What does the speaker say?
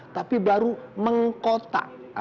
tapi baru mengkota